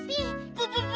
プププ！